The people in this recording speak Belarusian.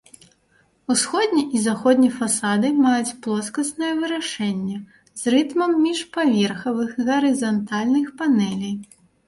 Усходні і заходні фасады маюць плоскаснае вырашэнне з рытмам міжпаверхавых гарызантальных панэлей.